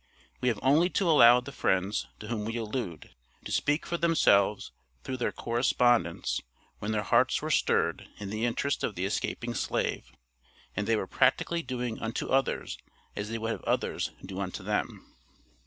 We have only to allow the friends to whom we allude, to speak for themselves through their correspondence when their hearts were stirred in the interest of the escaping slave, and they were practically doing unto others as they would have others do unto them.